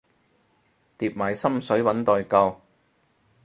疊埋心水搵代購